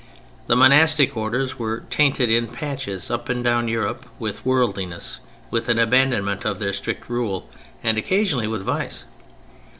The Monastic orders were tainted in patches up and down Europe, with worldliness, with an abandonment of their strict rule, and occasionally with vice.